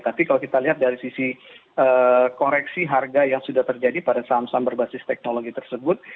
tapi kalau kita lihat dari sisi koreksi harga yang sudah terjadi pada saham saham berbasis teknologi tersebut